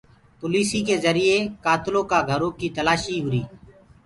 پوليسيٚ جرئي ڪآتلو ڪآ گھرو ڪيٚ تلآسيٚ هوُري۔